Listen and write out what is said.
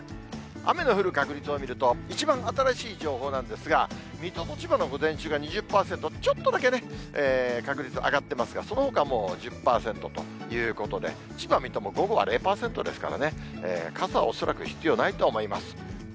雨の降る確率を見ると、一番新しい情報なんですが、水戸と千葉の午前中が２０％、ちょっとだけね、確率上がってますが、そのほかはもう１０％ということで、千葉、水戸も午後は０％ですからね、傘は恐らく必要ないと思います。